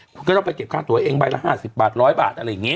ก็ต้องไปเก็บค่าตั๋วเองใบละห้าสิบบาทร้อยบาทอะไรอย่างงี้